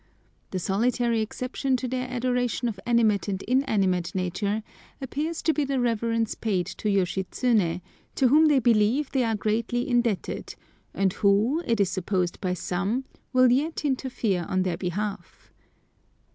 The solitary exception to their adoration of animate and inanimate nature appears to be the reverence paid to Yoshitsuné, to whom they believe they are greatly indebted, and who, it is supposed by some, will yet interfere on their behalf.